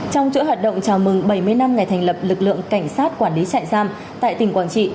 trong chuỗi hoạt động chào mừng bảy mươi năm ngày thành lập lực lượng cảnh sát quản lý trại giam tại tỉnh quảng trị